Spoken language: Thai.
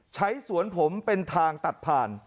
ใช้สวนผมเป็นทางตัดผ่าน